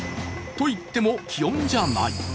と言っても気温じゃない。